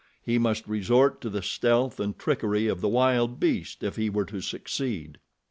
He must resort to the stealth and trickery of the wild beast, if he were to succeed.